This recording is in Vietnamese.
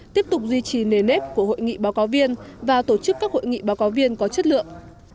tiếp tục duy trì nề nếp của hội nghị báo cáo viên và tổ chức các hội nghị báo cáo viên có chất lượng